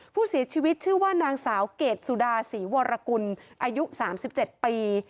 ผู้เสียชีวิตชื่อว่านางสาวเกรดสุดาศรีวรกุลอายุ๓๗ปี